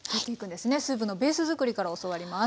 スープのベース作りから教わります。